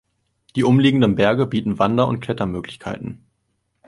Die umliegenden Berge bieten Wander- und Klettermöglichkeiten.